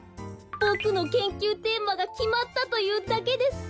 ボクの研究テーマがきまったというだけです。